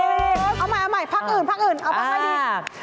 เอาใหม่พักอื่นเอามาให้ดี